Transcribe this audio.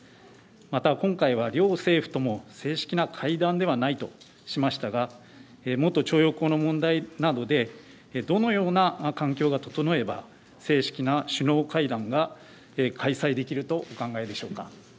また、今回は両政府とも正式な会談ではないとしましたが元徴用工の問題などでどのような環境が整えば正式な首脳会談が開催できるとお考えでしょうか。